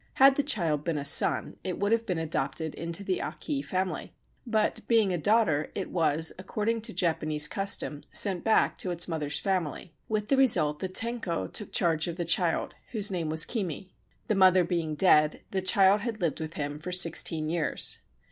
Had the child been a son, it would have been adopted into the Aki family ; but, being a daughter, it was, according to Japanese custom, sent back to its mother's family, with the result that Tenko took charge of the child, whose name was Kimi. The mother being dead, the child had lived with him for sixteen years.